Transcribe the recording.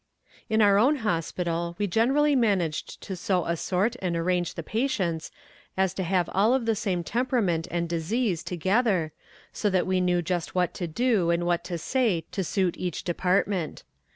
In our own hospital we generally managed to so assort and arrange the patients as to have all of the same temperament and disease together, so that we knew just what to do and what to say to suit each department.